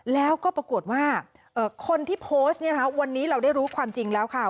แล้วก็ปรากฏว่าคนที่โพสต์เนี่ยนะคะวันนี้เราได้รู้ความจริงแล้วค่ะ